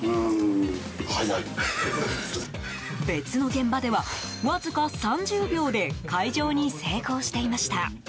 別の現場では、わずか３０秒で開錠に成功していました。